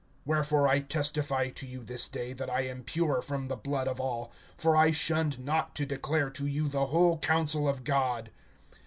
(26)Wherefore I testify to you this day, that I am pure from the blood of all; (27)for I shunned not to declare to you the whole counsel of God.